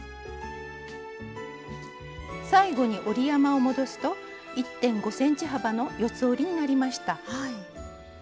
最後に折り山を戻すと１．５ｃｍ幅の四つ折りになりました。